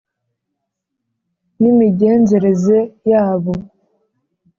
N imigenzereze yabo